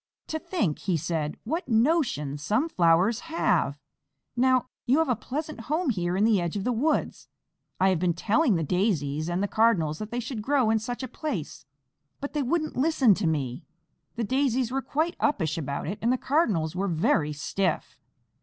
"To think," he said, "what notions some flowers have! Now, you have a pleasant home here in the edge of the woods. I have been telling the Daisies and the Cardinals that they should grow in such a place, but they wouldn't listen to me. The Daisies were quite uppish about it, and the Cardinals were very stiff."